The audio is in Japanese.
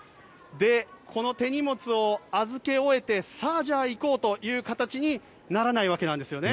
この手荷物を預け終えてさあ、じゃあ行こうという形にならないわけなんですね。